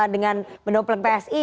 dengan mendopeng psi